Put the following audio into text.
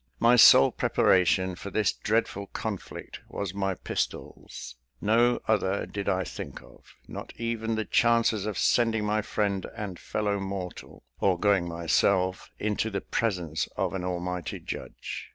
My sole preparation for this dreadful conflict was my pistols; no other did I think of, not even the chances of sending my friend and fellow mortal, or going myself into the presence of an Almighty judge.